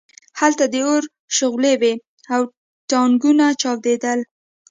هلته د اور شغلې وې او ټانکونه چاودېدل